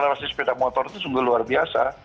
karena asal asal sepeda motor itu sungguh luar biasa